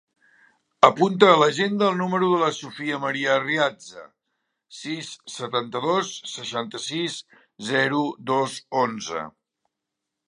Apunta a l'agenda el número de la Sofia maria Arriaza: sis, setanta-dos, seixanta-sis, zero, dos, onze.